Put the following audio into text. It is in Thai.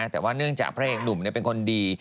แต่ว่าเนื่องจากพระเอกหนุ่มเป็นคนดี